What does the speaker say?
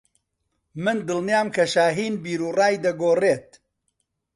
من دڵنیام کە شاھین بیروڕای دەگۆڕێت.